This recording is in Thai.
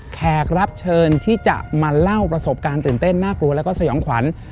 แขกรับเชิญที่จะมาเล่าประสบการณ์ตื่นเต้นน่ากลัวแล้วก็สยองขวัญ